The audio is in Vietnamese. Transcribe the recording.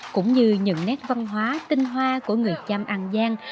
cũng như những nét văn hóa tinh hoa của người trăm an giang